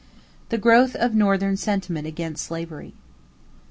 =The Growth of Northern Sentiment against Slavery.